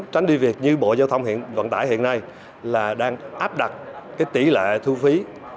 tránh đi việc như bộ giao thông vận tải hiện nay là đang áp đặt cái tỷ lệ thu phí